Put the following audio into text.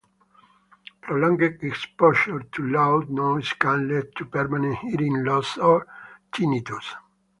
Prolonged exposure to loud noise can lead to permanent hearing loss or tinnitus.